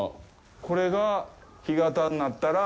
これが干潟になったら。